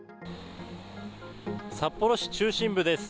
札幌市中心部です。